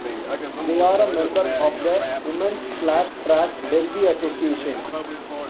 They are a member of the Women's Flat Track Derby Association.